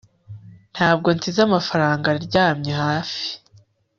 ntabwo nsize amafaranga aryamye hafi